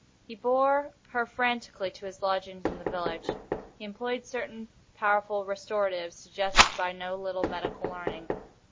He bore her frantically to his lodgings in the village. He employed certain powerful restoratives suggested by no little medical learning.